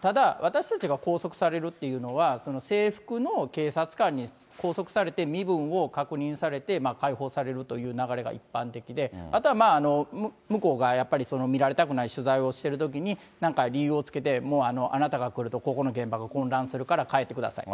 ただ、私たちが拘束されるというのは、制服の警察官に拘束されて、身分を確認されて、解放されるという流れが一般的で、あとは向こうがやっぱりその見られたくない取材をしてるときに、なんか理由をつけて、もうあなたが来るとここの現場が混乱するから帰ってくださいと。